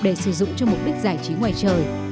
để sử dụng cho mục đích giải trí ngoài trời